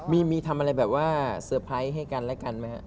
มีทำอะไรแบบว่าเซอร์ไพรส์ให้กันและกันไหมฮะ